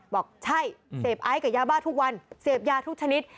บอกใช่เสพไอซ์กับยาบ้าทุกวันเสพยาทุกชนิด